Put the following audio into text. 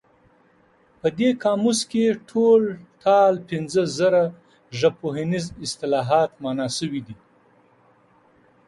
په دې قاموس کې ټول ټال پنځه زره ژبپوهنیز اصطلاحات مانا شوي دي.